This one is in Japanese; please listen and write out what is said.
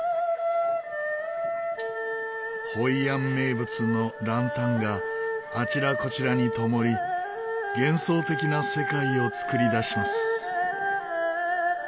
ホイアン名物のランタンがあちらこちらにともり幻想的な世界を作り出します。